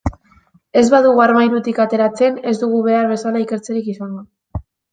Ez badugu armairutik ateratzen, ez dugu behar bezala ikertzerik izango.